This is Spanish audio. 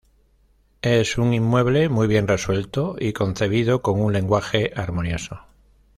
Es un inmueble muy bien resuelto y concebido con un lenguaje armonioso.